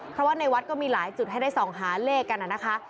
เพราะว่าในวัดก็มีหลายจุดให้ได้ส่องหาเลขกันนะคะ